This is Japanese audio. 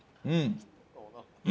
うん！